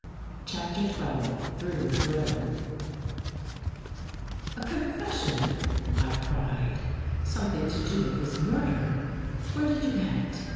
CHAPTER XII THROUGH THE GRILLE A CONFESSION I " I cried. " Something to do with this murder? Where did you get it?